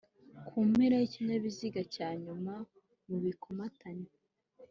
ku mpera y'ikinyabiziga cya nyuma mu bikomatanye